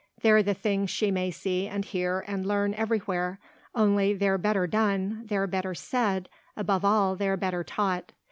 They're the things she may see and hear and learn everywhere; only they're better done, they're better said, above all they're better taught.